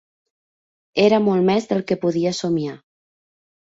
Era molt més del que podia somiar.